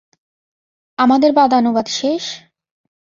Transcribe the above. আমাদের বাদানুবাদ শেষ?